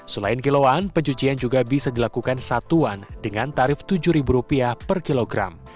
selain kiloan pencucian juga bisa dilakukan satuan dengan tarif tujuh rupiah per kilogram